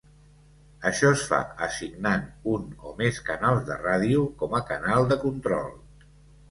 Això es fa assignant un o més canals de ràdio com a canal de control.